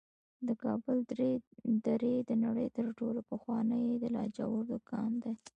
د کابل درې د نړۍ تر ټولو پخوانی د لاجورد کان دی